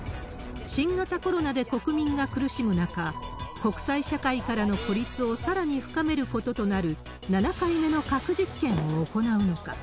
新型コロナで国民が苦しむ中、国際社会からの孤立をさらに深めることとなる、７回目の核実験を行うのか。